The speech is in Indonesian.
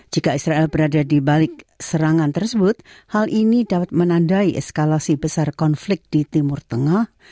jika israel berada di balik serangan tersebut hal ini dapat menandai eskalasi besar konflik di timur tengah